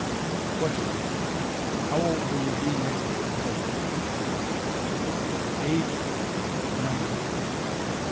Question. HOW OLD WILL YOU BE NEXT BIRTH DAY? Age. Number.